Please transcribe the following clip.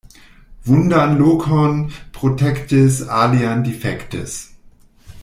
Vundan lokon protektis, alian difektis.